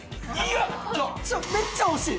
めっちゃ惜しい！